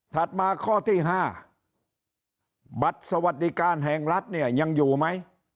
มาข้อที่๕บัตรสวัสดิการแห่งรัฐเนี่ยยังอยู่ไหม